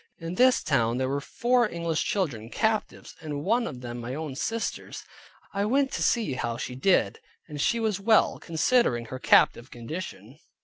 In this town there were four English children, captives; and one of them my own sister's. I went to see how she did, and she was well, considering her captive condition.